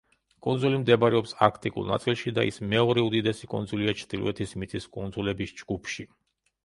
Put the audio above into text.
კუნძული მდებარეობს არქტიკულ ნაწილში და ის მეორე უდიდესი კუნძულია ჩრდილოეთის მიწის კუნძულების ჯგუფში.